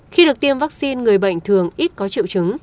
khi được tiêm vaccine người bệnh thường ít có triệu chứng